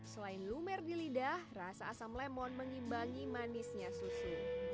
selain lumer di lidah rasa asam lemon mengimbangi manisnya susu